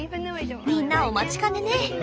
みんなお待ちかねね。